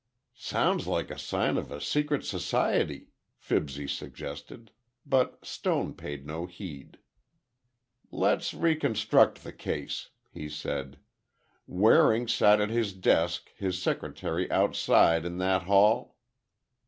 "Sounds like a sign of a secret society," Fibsy suggested, but Stone paid no heed. "Let's reconstruct the case," he said; "Waring sat at his desk his secretary outside in that hall?"